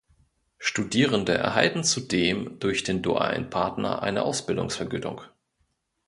Studierende erhalten zudem durch den dualen Partner eine Ausbildungsvergütung.